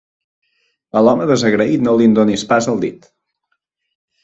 A l'home desagraït no li'n donis pas el dit.